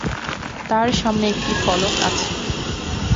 তাঁর সামনে একটি ফলক আছে।